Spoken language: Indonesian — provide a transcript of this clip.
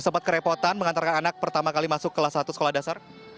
sempat kerepotan mengantarkan anak pertama kali masuk kelas satu sekolah dasar